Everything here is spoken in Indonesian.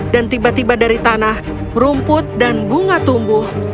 dan tiba tiba dari tanah rumput dan bunga tumbuh